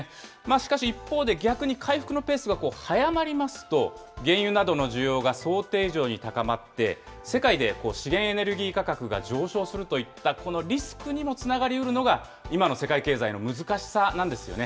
しかし一方で、逆に回復のペースが速まりますと、原油などの需要が想定以上に高まって、世界で資源エネルギー価格が上昇するといったこのリスクにもつながりうるのが、今の世界経済の難しさなんですよね。